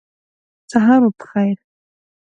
سهار مو پخیر